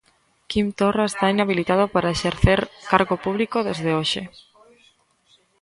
Quim Torra está inhabilitado para exercer cargo público desde hoxe.